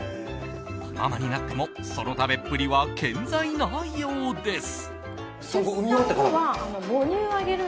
ママになってもその食べっぷりは健在なようです。